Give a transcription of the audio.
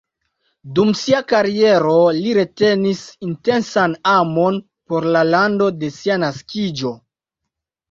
Dum sia kariero, li retenis intensan amon por la lando de sia naskiĝo.